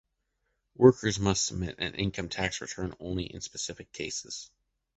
Workers must submit an income tax return only in specific cases.